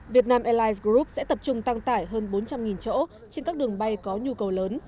việt nam airlines group sẽ tập trung tăng tải hơn bốn trăm linh chỗ trên các đường bay có nhu cầu lớn